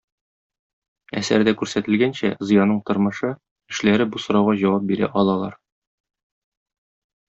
Әсәрдә күрсәтелгәнчә, Зыяның тормышы, эшләре бу сорауга җавап бирә алалар.